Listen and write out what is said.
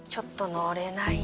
乗れない。